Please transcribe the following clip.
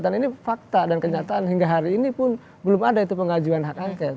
dan ini fakta dan kenyataan hingga hari ini pun belum ada itu pengajuan hanket